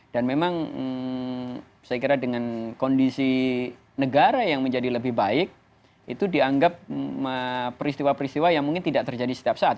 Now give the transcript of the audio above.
memang saya kira dengan kondisi negara yang menjadi lebih baik itu dianggap peristiwa peristiwa yang mungkin tidak terjadi setiap saat